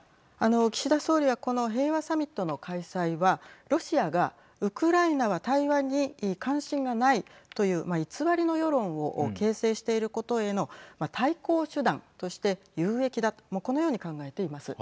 岸田総理はこの平和サミットの開催はロシアがウクライナは対話に関心がないという偽りの世論を形成していることへの対抗手段として有益だとこのように考えています。